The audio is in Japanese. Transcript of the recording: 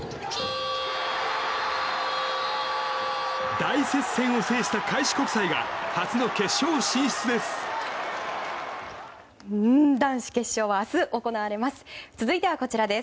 大接戦を制した開志国際が初の決勝進出です。